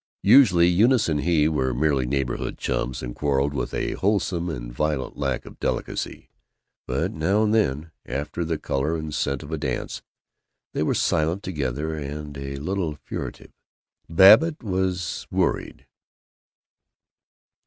Usually Eunice and he were merely neighborhood chums, and quarreled with a wholesome and violent lack of delicacy; but now and then, after the color and scent of a dance, they were silent together and a little furtive, and Babbitt was worried.